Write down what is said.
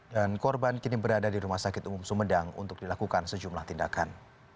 dan korban kini berada di rumah sakit umum sumedang untuk dilakukan sejumlah tindakan